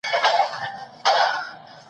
د ټولنې انډول د مفاهیمو پراختیا لامل کیږي.